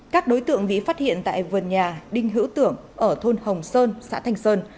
các đối tượng bị phát hiện tại vườn nhà đinh hữu tưởng ở thôn hồng sơn xã thành sơn